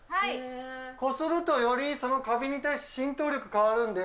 こすると、よりかびに対して、浸透力変わるんで。